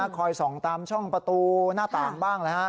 คอยส่องตามช่องประตูหน้าต่างบ้าง